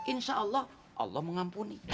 insya allah allah mengampuni